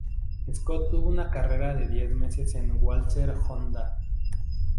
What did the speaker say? Scott tuvo una carrera de diez meses en Walser Honda.